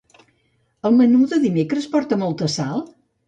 El menú de dimecres porta molta sal?